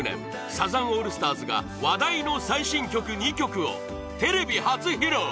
サザンオールスターズが話題の最新曲２曲をテレビ初披露。